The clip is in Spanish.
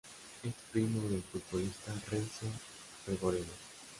Es primo del futbolista Renzo Revoredo.